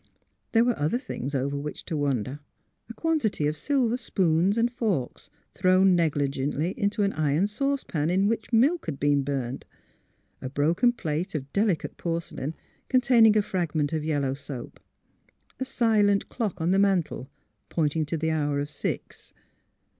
There were other things over which to wonder : a quan tity of silver spoons and forks, thrown negligently into an iron saucepan in which milk had been burned; a broken plate of delicate porcelain con taining a fragment of yellow soap; a silent clock on the mantel pointing to the hour of six.